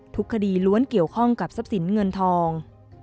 ทุกคดีล้วนเกี่ยวข้องกับทรัพย์สินเงินทอง